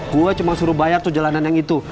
gue cuma suruh bayar tuh jalanan yang itu